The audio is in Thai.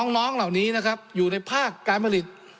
น้องเหล่านี้นะครับอยู่ในภาคการผลิต